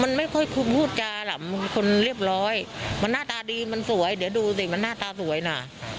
มันไม่ค่อยพูดจาหลำคนเรียบร้อยมันหน้าตาดีมันสวยเดี๋ยวดูสิมันหน้าตาสวยน่ะ